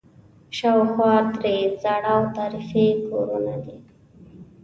شاوخوا ترې زاړه او تاریخي کورونه دي.